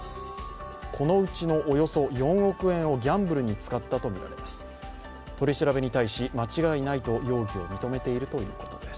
このうちのおよそ４億円をギャンブルに使ったとみられています。